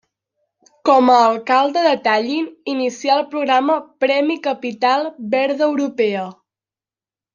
Com a alcalde de Tallinn, inicià el programa Premi Capital Verda Europea.